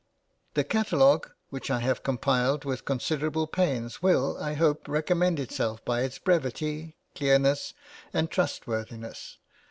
The catalogue which I have compiled with considerable pains will, I hope, recommend itself by its brevity, clearness, and trustworthiness.